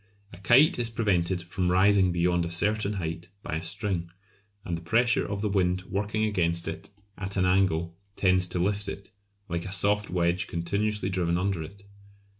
A kite is prevented from rising beyond a certain height by a string, and the pressure of the wind working against it at an angle tends to lift it, like a soft wedge continuously driven under it.